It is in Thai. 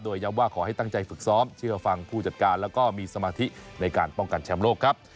โดยย้ำว่าขอให้ตั้งใจฝึกซ้อมเชื่อฟังผู้จัดการแล้วก็มีสมาธิในการป้องกันแชมป์โลกครับ